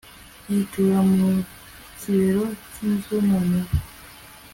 yitura mu kibero cyinzu noneho